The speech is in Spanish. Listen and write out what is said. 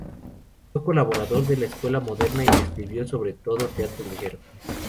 Fue colaborador de "La Escuela Moderna" y escribió sobre todo teatro ligero.